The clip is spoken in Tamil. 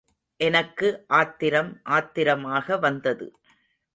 எனக்கு ஆத்திரம் ஆத்திரமாக வந்தது.